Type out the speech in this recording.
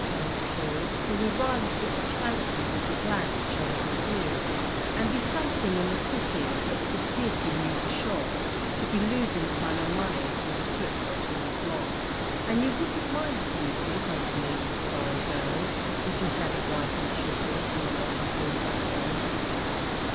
tell us true, For we rather think that Clancy would be glad to change with you, And be something in the city; but 'twould give your muse a shock To be losing time and money through the foot rot in the flock, And you wouldn't mind the beauties underneath the starry dome If you had a wife and children and a lot of bills at home.